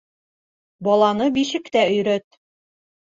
Баланы бишектә өйрәт.